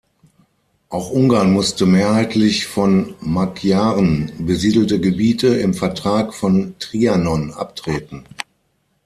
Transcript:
Auch Ungarn musste mehrheitlich von Magyaren besiedelte Gebiete im Vertrag von Trianon abtreten.